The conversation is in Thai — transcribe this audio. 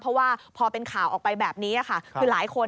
เพราะว่าพอเป็นข่าวออกไปแบบนี้ค่ะคือหลายคน